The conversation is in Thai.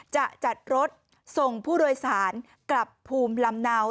จะจัดรถส่งผู้โดยสารกลับภูมิลำเนา